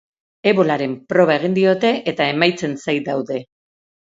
Ebolaren proba egin diote eta emaitzen zain daude.